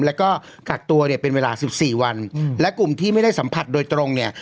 แล้วก็กักตัวเนี่ยเป็นเวลาสิบสี่วันและกลุ่มที่ไม่ได้สัมผัสโดยตรงเนี่ย